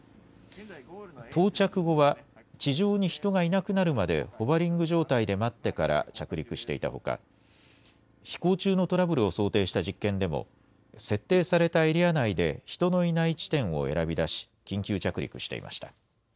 到着後は地上に人がいなくなるまでホバリング状態で待ってから着陸していたほか、飛行中のトラブルを想定した実験でも、設定されたエリア内で人のいない地点を選び出し、緊急着陸していました。